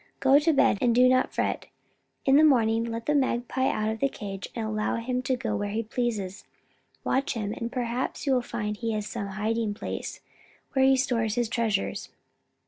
"Go to bed, and do not fret. In the morning, let the magpie out of the cage, and allow him to go where he pleases. Watch him, and perhaps you will find he has some hiding place where he stores his treasures."